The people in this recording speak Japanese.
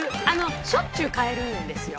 しょっちゅう変えるんですよ。